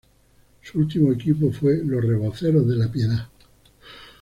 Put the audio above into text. Su último equipo fue los Reboceros de la Piedad.